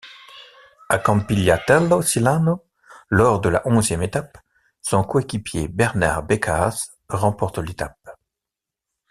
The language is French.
À Campigliatello Silano, lors de la onzième étape, son coéquipier Bernard Becaas remporte l'étape.